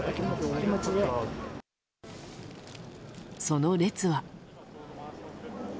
その列は。